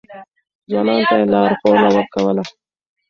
ځوانانو ته يې لارښوونه کوله.